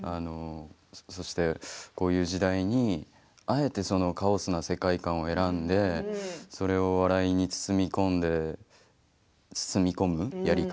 そして、こういう時代にあえてカオスな世界観を選んでそれを笑いに包み込むやり方